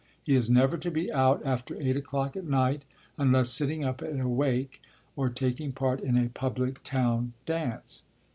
He is never to be out after 8 o'clock at night unless sitting up at a wake or taking part in a public town dance.